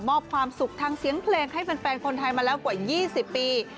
ความสุขทางเสียงเพลงให้แฟนคนไทยมาแล้วกว่า๒๐ปี